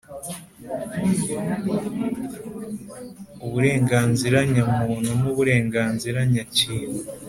uburenganzira nyamuntu n uburenganzira nyakintu